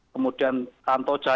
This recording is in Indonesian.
kemudian tanto jaya